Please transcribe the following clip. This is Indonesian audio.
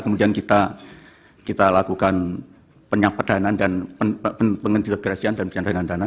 kemudian kita lakukan penyapadana dan pengendalian dana